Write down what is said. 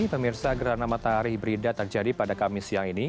pemirsa gerhana matahari hibrida terjadi pada kamis siang ini